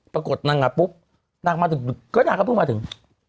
ปรากฏนางน่ะปุ๊บนางก็เพิ่งมาถึง